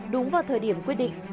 đúng vào thời điểm quyết định